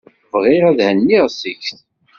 Bɣiɣ ad henniɣ seg-s.